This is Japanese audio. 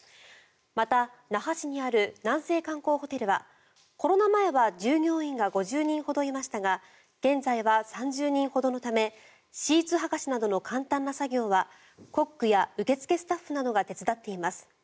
また、那覇市にある南西観光ホテルはコロナ前は従業員が５０人ほどいましたが現在は３０人ほどのためシーツ剥がしなどの簡単な作業はコックや受付スタッフなどが手伝っています。